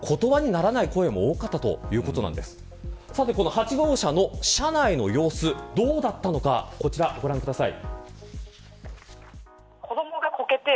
８号車の車内の様子はどうだったのかご覧ください。